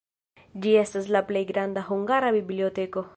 Ĝi estas la plej granda hungara biblioteko.